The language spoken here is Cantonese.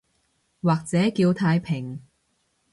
或者叫太平